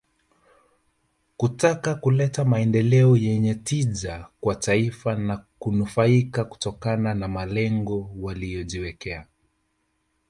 Kutaka kuleta maendeleo yenye tija kwa taifa na kunufaika kutokana na malengo waliyojiwekea